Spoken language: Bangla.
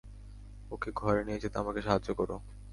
ওকে ঘরে নিয়ে যেতে আমাকে সাহায্য কর।